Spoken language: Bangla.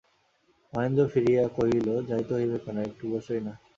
মহেন্দ্র ফিরিয়া কহিল, যাইতে হইবে কেন, একটু বোসোই না।